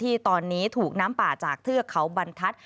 ที่ตอนนี้ถูกน้ำป่าจากเทือกเขาบรรทัศน์